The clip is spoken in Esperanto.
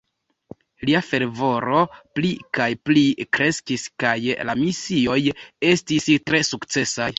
Lia fervoro pli kaj pli kreskis kaj la misioj estis tre sukcesaj.